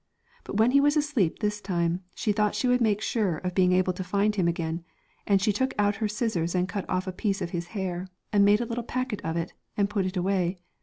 But when he was asleep this time, she thought she would make sure of being able to find him again, and she took out her scissors and cut off a piece of his hair, and made a little packet of it and put it away.